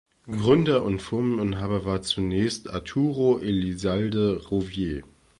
Gründer und Firmeninhaber war zunächst Arturo Elizalde Rouvier.